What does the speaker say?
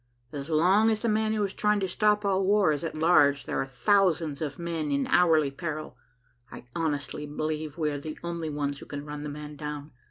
As long as the man who is trying to stop all war is at large there are thousands of men in hourly peril. I honestly believe we are the only ones who can run the man down.